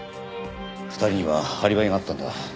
２人にはアリバイがあったんだ。